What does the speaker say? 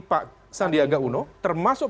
pak sandiaga uno termasuk